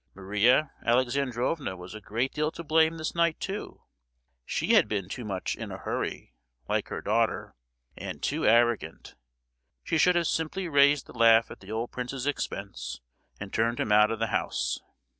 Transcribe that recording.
Maria Alexandrovna was a great deal to blame this night, too! She had been too much "in a hurry," like her daughter,—and too arrogant! She should have simply raised the laugh at the old prince's expense, and turned him out of the house!